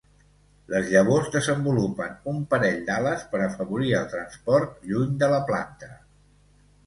Les llavors desenvolupen un parell d'ales per afavorir el transport lluny de la planta.